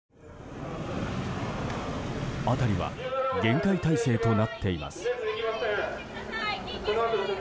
辺りは厳戒態勢となっています。